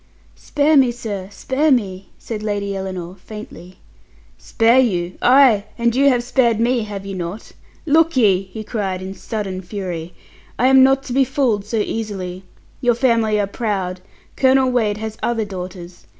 "Spare me, sir, spare me!" said Lady Ellinor faintly. "Spare you! Ay, you have spared me, have you not? Look ye," he cried, in sudden fury, "I am not to be fooled so easily. Your family are proud. Colonel Wade has other daughters.